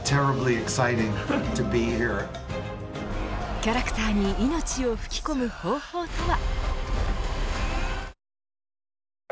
キャラクターに命を吹き込む方法とは。